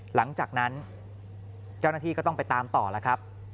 หลังจากนั้นเจ้าหน้าที่ก็ต้องไปตามต่อแล้วครับ